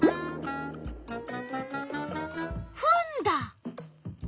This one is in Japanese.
フンだ。